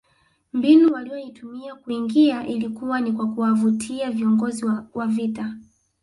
Mbinu waliyoitumia kuingia ilikuwa ni kwa kuwavutia viongozi wa vita